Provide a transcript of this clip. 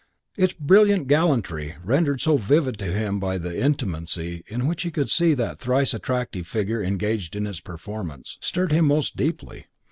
Its brilliant gallantry, rendered so vivid to him by the intimacy with which he could see that thrice attractive figure engaged in its performance, stirred him most deeply.